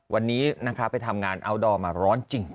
วันนี้นะคะไปทำงานอัลดอร์มาร้อนจริง